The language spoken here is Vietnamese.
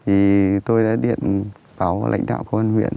thì tôi đã điện báo lãnh đạo công an huyện